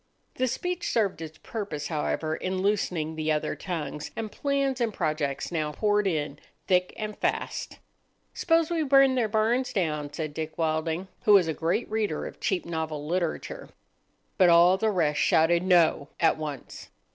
The speech served its purpose, however, in loosening the other tongues, and plans and projects now poured in thick and fast. "S'pose we burn their barns down," said Dick Wilding, who was a great reader of cheap novel literature. But all the rest shouted "No" at once.